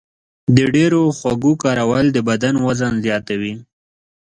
د ډېرو خوږو کارول د بدن وزن زیاتوي.